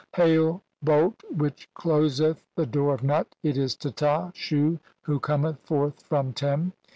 "Hail, bolt which closeth the door of Nut, it is Teta, "Shu who cometh forth from Tem.